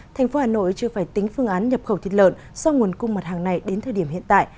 thành phố hà nội chưa phải tính phương án nhập khẩu thịt lợn do nguồn cung mặt hàng này đến thời điểm hiện tại